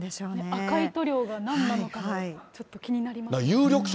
赤い塗料が何なのかもちょっと気になりましたね。